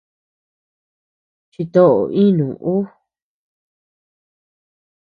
Chito inu ú.